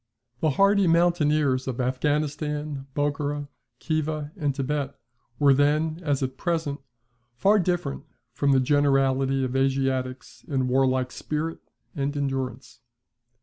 The hardy mountaineers of Affghanistan, Bokhara, Khiva, and Thibet, were then, as at present, far different from the generality of Asiatics in warlike spirit and endurance.